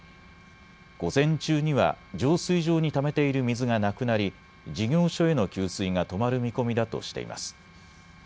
午前中には浄水場にためている水がなくなり事業所への給水が止まる見込みだとしています。